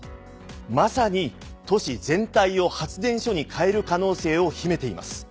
まさに都市全体を発電所に変える可能性を秘めています。